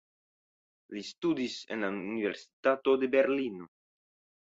Li studis en la Universitato de Berlino.